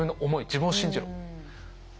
自分を信じろ。